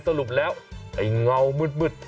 สรุปแล้วไอ้เงามืด